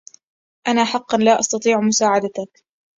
أنا حقا لا أستطيع مساعدتك.